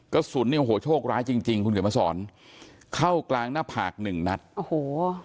กระสุนเนี่ยโอ้โหโชคร้ายจริงจริงคุณเขียนมาสอนเข้ากลางหน้าผากหนึ่งนัดโอ้โห